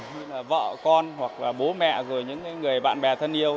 như là vợ con bố mẹ những người bạn bè thân yêu